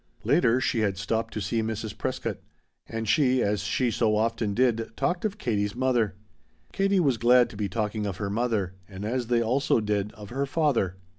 Later she had stopped to see Mrs. Prescott, and she, as she so often did, talked of Katie's mother. Katie was glad to be talking of her mother, and, as they also did, of her father.